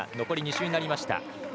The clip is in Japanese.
残り２周になりました。